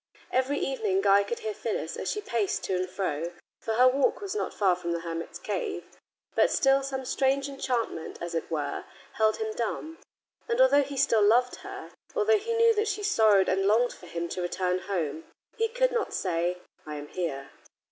Every evening Guy could hear Phyllis as she paced to and fro, for her walk was not far from the hermit's cave. But still some strange enchantment, as it were, held him dumb, and although he still loved her, although he knew that she sorrowed and longed for him to return home, he could not say, "I am here."